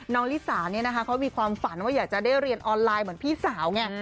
ลิสาเนี่ยนะคะเขามีความฝันว่าอยากจะได้เรียนออนไลน์เหมือนพี่สาวไง